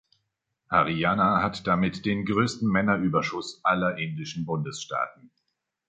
Haryana hat damit den größten Männerüberschuss aller indischen Bundesstaaten.